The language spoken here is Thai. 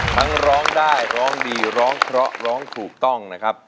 ร้องได้ร้องดีร้องเพราะร้องถูกต้องนะครับ